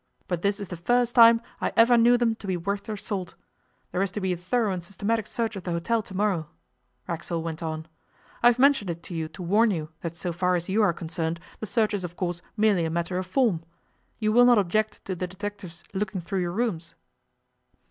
But this is the first time I ever knew them to be worth their salt. There is to be a thorough and systematic search of the hotel to morrow,' Racksole went on. 'I have mentioned it to you to warn you that so far as you are concerned the search is of course merely a matter of form. You will not object to the detectives looking through your rooms?